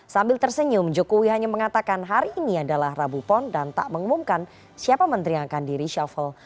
sambil tersenyum jokowi hanya mengatakan hari ini adalah rabu pon dan tak mengumumkan siapa menteri yang akan di reshuffle